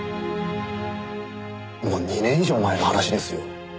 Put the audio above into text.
もう２年以上前の話ですよ。